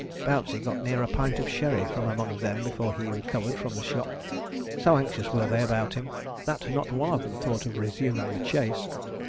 Bouncey got near a pint of sherry from among them before he recovered from the shock. So anxious were they about him, that not one of them thought of resuming the chase.